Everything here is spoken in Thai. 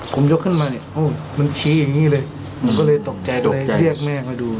ผมยกขึ้นมาเนี่ยโอ้มันชี้อย่างนี้เลยผมก็เลยตกใจก็เลยเรียกแม่มาดู